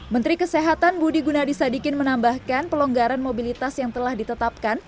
menteri kesehatan budi gunadisadikin menambahkan pelonggaran mobilitas yang telah ditetapkan